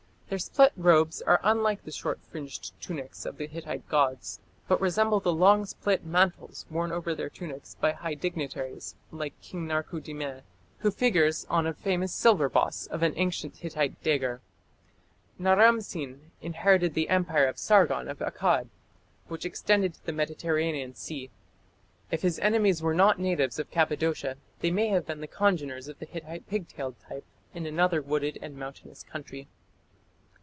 Their split robes are unlike the short fringed tunics of the Hittite gods, but resemble the long split mantles worn over their tunics by high dignitaries like King Tarku dimme, who figures on a famous silver boss of an ancient Hittite dagger. Naram Sin inherited the Empire of Sargon of Akkad, which extended to the Mediterranean Sea. If his enemies were not natives of Cappadocia, they may have been the congeners of the Hittite pigtailed type in another wooded and mountainous country.